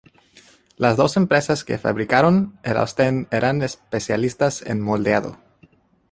Las dos empresas que fabricaron el Austen eran especialistas en moldeado.